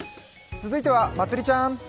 続いてはまつりちゃん！